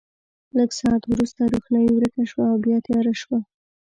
لږ ساعت وروسته روښنايي ورکه شوه او بیا تیاره شوه.